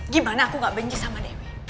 gimana aku gak benci sama dewi